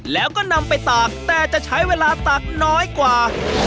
แล้วก็นำไปตากแต่จะใช้เวลาตากน้อยกว่า